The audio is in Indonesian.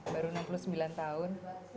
baru enam puluh sembilan tahun